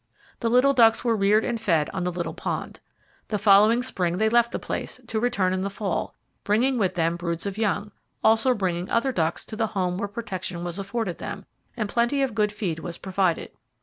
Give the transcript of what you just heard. The little ducks were reared and fed on the little pond. The following spring they left the place, to return in the fall, bringing with them broods of young; also bringing other ducks to the home where protection was afforded them, and plenty of good feed was provided.